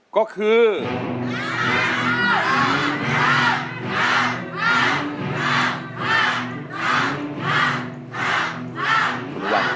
สู้ครับ